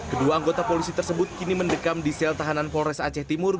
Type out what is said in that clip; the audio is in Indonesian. kedua anggota polisi tersebut kini mendekam di sel tahanan polres aceh timur